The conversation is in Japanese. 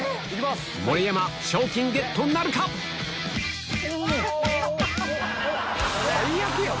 盛山賞金ゲットなるか⁉最悪やん。